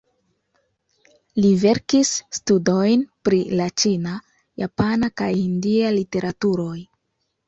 Li verkis studojn pri la ĉina, japana kaj hindia literaturoj.